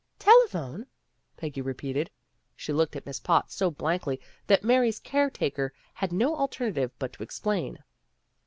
"Telephone!" Peggy repeated. She looked at Miss Potts so blankly that Mary's care taker had no alternative but to explain.